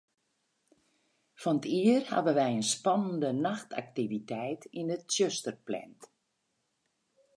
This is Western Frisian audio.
Fan 't jier hawwe wy in spannende nachtaktiviteit yn it tsjuster pland.